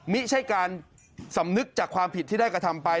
ไม่ใช่การสำนึกจากความผิดที่ได้กระทำไป